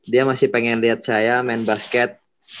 dia masih pengen lihat saya main basket